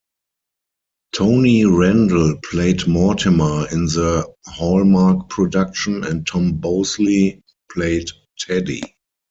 Tony Randall played Mortimer in the Hallmark production and Tom Bosley played Teddy.